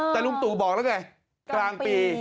แต่ลุงตู่บอกแล้วไงกลางปี